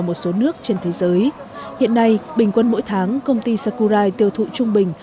một số nước trên thế giới hiện nay bình quân mỗi tháng công ty sakurai tiêu thụ trung bình